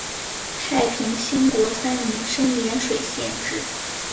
太平兴国三年升涟水县置。